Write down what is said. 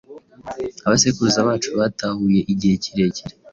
abasekuruza bacu bahatuye igihe kirekire